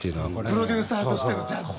プロデューサーとしてのジャッジ。